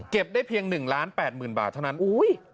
เก็บได้เพียง๑๘๐๐๐๐๐บาทเท่านั้นโอ้โห